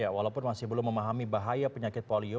ya walaupun masih belum memahami bahaya penyakit polio